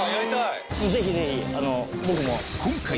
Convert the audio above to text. ぜひぜひ。